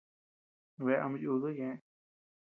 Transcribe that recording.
Bea ama yuduu ñeʼë.